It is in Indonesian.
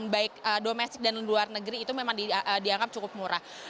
baik domestik dan luar negeri itu memang dianggap cukup murah